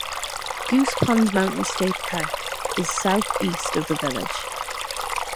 Goose Pond Mountain State Park is southeast of the village.